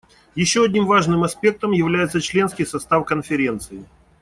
Еще одним важным аспектом является членский состав Конференции.